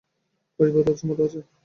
পরেশবাবু তাতে সম্মত আছেন?